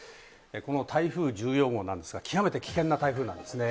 この台風１４号なんですが、極めて危険な台風なんですね。